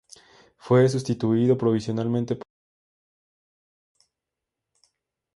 Fue sustituido provisionalmente por Juan Luis Larrea.